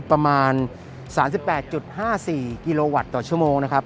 ประมาณสามสิบแปดจุดห้าสี่กิโลวัตต์ต่อชั่วโมงนะครับ